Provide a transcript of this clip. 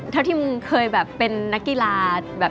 ถ้าทิมเคยเป็นนักกีฬา